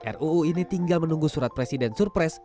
ruu ini tinggal menunggu surat presiden surpres